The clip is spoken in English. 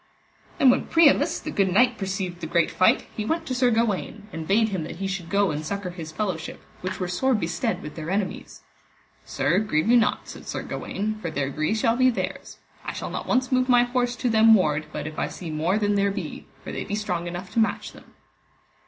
Then when Priamus the good knight perceived the great fight, he went to Sir Gawaine, and bade him that he should go and succour his fellowship, which were sore bestead with their enemies. Sir, grieve you not, said Sir Gawaine, for their gree shall be theirs. I shall not once move my horse to them ward, but if I see more than there be; for they be strong enough to match them.